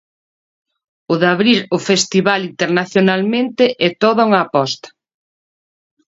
O de abrir o festival internacionalmente é toda unha aposta.